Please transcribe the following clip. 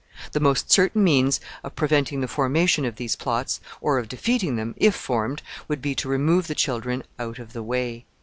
The most certain means of preventing the formation of these plots, or of defeating them, if formed, would be to remove the children out of the way.